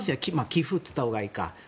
寄付って言ったほうがいいか。